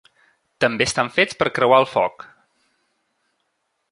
També estan fets per creuar el foc.